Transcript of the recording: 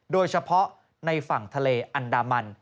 โดยเฉพาะในฝั่งทะเลอันดามัน